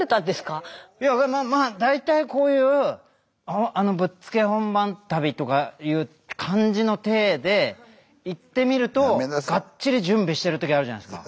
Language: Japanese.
まあ大体こういうぶっつけ本番旅とかいう感じの体で行ってみるとガッチリ準備してる時あるじゃないですか。